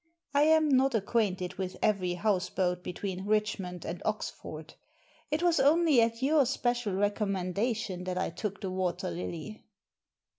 I am not acquainted with every houseboat between Richmond and Oxford. It was only at your special recommendation that I took the Water Lily!